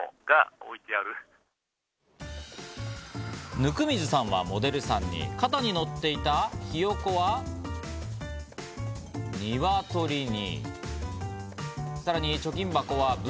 温水さんはモデルさんに肩に乗っていたひよこはニワトリに。